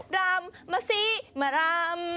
รำมาสิมารำ